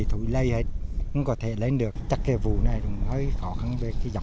thủy lây hết không có thể lấy được chắc là vụ này hơi khó khăn về kỳ dọc